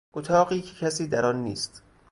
اتاقی که کسی در آن نیست